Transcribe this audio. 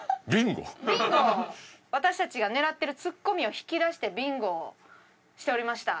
私たちが狙ってるツッコミを引き出してビンゴをしておりました。